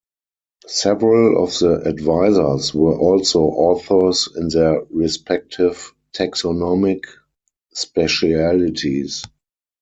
Several of the advisers were also authors in their respective taxonomic specialities.